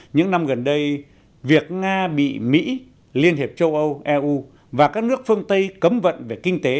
những năm gần đây việc nga bị mỹ liên hiệp châu âu eu và các nước phương tây cấm vận về kinh tế